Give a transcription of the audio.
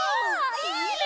いいね！